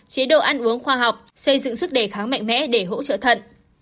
chế độ ăn uống khoa học xây dựng sức đề kháng mạnh mẽ để hỗ trợ thận